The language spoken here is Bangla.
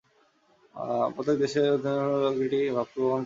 প্রত্যেক দেশের অধিকাংশ লোকই একটি ভাবকে কখনও ভাবরূপে পূজা করে না।